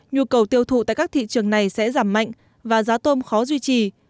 nhu cầu tiêu thụ tại các thị trường này sẽ giảm mạnh và giá tôm khó duy trì